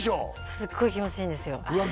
すっごい気持ちいいんですようわ